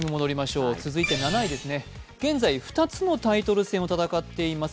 現在、２つのタイトル戦を戦っています